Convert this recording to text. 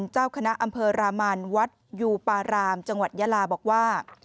เจ้าคณะอำเภอรามันวัดยูปารามจังหวัดยาลาบอกว่า